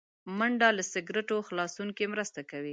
منډه له سګرټو خلاصون کې مرسته کوي